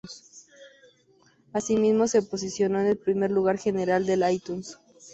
Asímismo, se posicionó en el primer lugar general de iTunes.